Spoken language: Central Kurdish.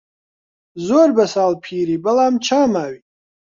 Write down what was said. زۆر بە ساڵ پیری بەڵام چا ماوی